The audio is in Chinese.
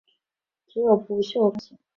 只有不锈钢型。